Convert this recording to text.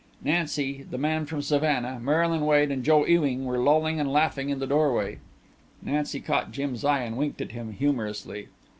Nancy, the man from Savannah, Marylyn Wade, and Joe Ewing were lolling and laughing in the doorway. Nancy caught Jim's eye and winked at him humorously.